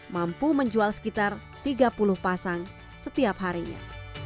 mampu menjual sekitar tiga puluh pasang setiap harinya